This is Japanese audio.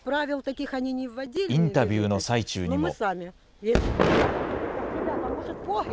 インタビューの最中にも。